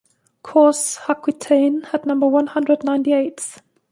Cours Aquitaine at number one hundred ninety-eight